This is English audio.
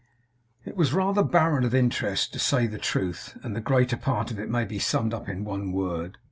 It was rather barren of interest, to say the truth; and the greater part of it may be summed up in one word.